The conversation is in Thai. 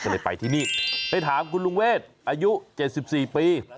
ก็เลยไปที่นี่ไปถามคุณลุงเวทอายุ๗๔ปี